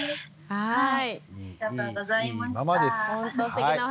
はい。